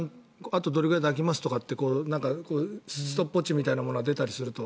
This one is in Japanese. あとどれくらいで開きますとかってストップウォッチみたいなものが出たりすると。